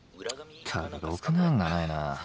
ったくろくな案がないな！